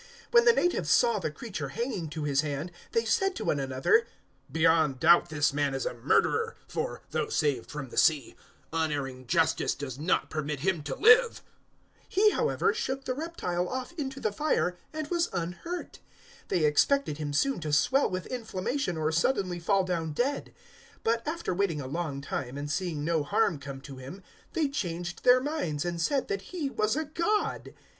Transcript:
028:004 When the natives saw the creature hanging to his hand, they said to one another, "Beyond doubt this man is a murderer, for, though saved from the sea, unerring Justice does not permit him to live." 028:005 He, however, shook the reptile off into the fire and was unhurt. 028:006 They expected him soon to swell with inflammation or suddenly fall down dead; but, after waiting a long time and seeing no harm come to him, they changed their minds and said that he was a god.